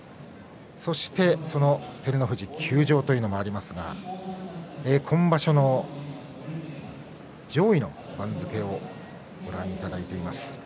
そして照ノ富士休場というのもありますが今場所の上位の番付をご覧いただいています。